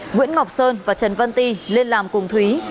nguyễn ngọc sơn và trần văn ti liên làm cùng thúy